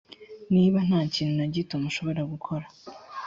niba nta kintu na gito mushobora gukora